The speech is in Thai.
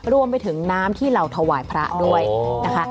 รวมไปถึงน้ำที่เราถวายพระด้วยนะคะ